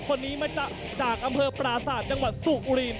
คนนี้มาจากอำเภอประธาชภงษาจังหวัดกรุงสูตรศูนย์ุรีน